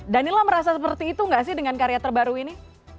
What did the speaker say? danila merasa seperti itu nggak sih dengan karya terbaru ini